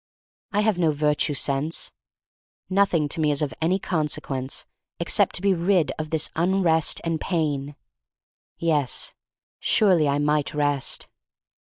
I have no virtue sense. Nothing to me is of any consequence except to be rid of this unrest and pain. Yes, surely I might rest.